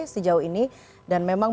sejauh ini dan memang